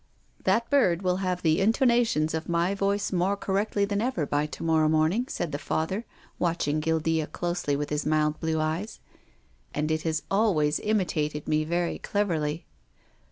" That bird will have the intonations of my voice more correctly than ever by to morrow morning," said the Father, watching Guildea closely with his mild blue eyes. " And it has al ways imitated me very cleverly."